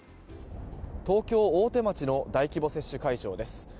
東京・大手町の大規模接種会場です。